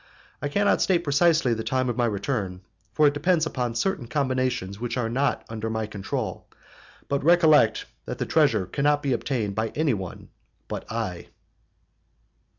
I cannot state precisely the time of my return, for it depends upon certain combinations which are not under my control, but recollect that the treasure cannot be obtained by anyone but I."